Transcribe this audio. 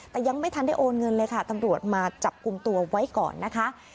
แต่ยังไม่ทันได้โอนเงินเลยค่ะตำรวจมาจับกลุ่มตัวไว้ก่อนนะคะ